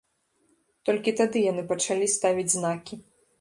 Толькі тады яны пачалі ставіць знакі.